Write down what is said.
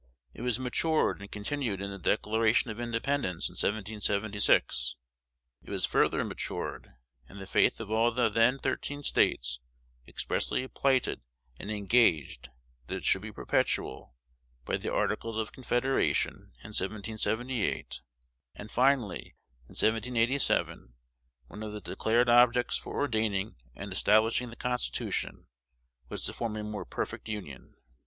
It was matured and continued in the Declaration of Independence in 1776. It was further matured, and the faith of all the then thirteen States expressly plighted and engaged that it should be perpetual, by the Articles of Confederation, in 1778; and, finally, in 1787, one of the declared objects for ordaining and establishing the Constitution was to form a more perfect Union.